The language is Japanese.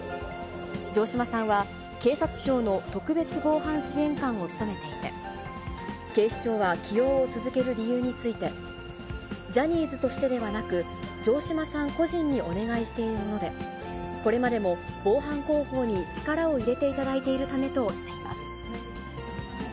城島さんは、警察庁の特別防犯支援管を務めていて、警視庁は起用を続ける理由について、ジャニーズとしてではなく、城島さん個人にお願いしているもので、これまでも防犯広報に力を入れていただいているためとしています。